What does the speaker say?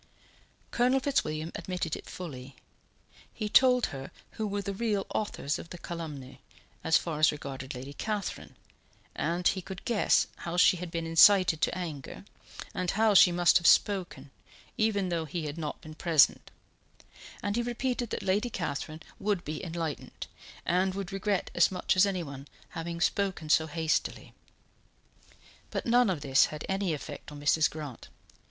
Colonel Fitzwilliam admitted it fully. He told her who were the real authors of the calumny, as far as regarded Lady Catherine, and he could guess how she had been incited to anger, and how she must have spoken, even though he had not been present, and he repeated that Lady Catherine would be enlightened, and would regret as much as anyone having spoken so hastily; but none of this had any effect on Mrs. Grant.